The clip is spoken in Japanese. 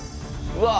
うわ！